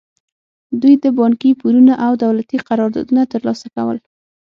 دوی د بانکي پورونه او دولتي قراردادونه ترلاسه کول.